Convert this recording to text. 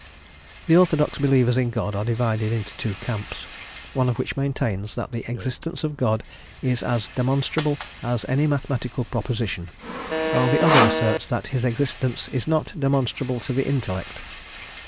The orthodox believers in God are divided into two camps, one of which maintains that the existence of God is as demonstrable as any mathematical proposition, while the other asserts that his existence is not demonstrable to the intellect.